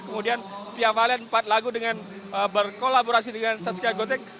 kemudian via valen empat lagu dengan berkolaborasi dengan saskia gotik